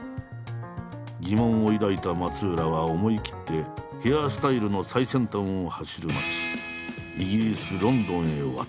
疑問を抱いた松浦は思い切ってヘアスタイルの最先端を走る街イギリスロンドンへ渡った。